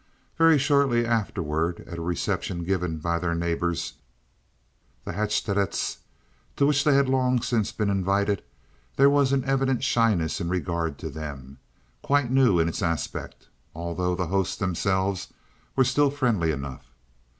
Very shortly afterward, at a reception given by their neighbors, the Haatstaedts, to which they had long since been invited, there was an evident shyness in regard to them, quite new in its aspect, although the hosts themselves were still friendly enough.